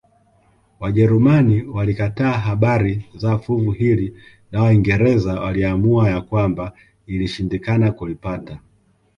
Wajerumani walikataa habari za fuvu hili na Waingereza waliamua ya kwamba ilishindikana kulipata